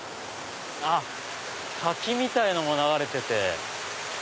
滝みたいのも流れてて。